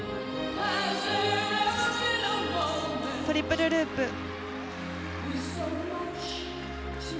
トリプルループ。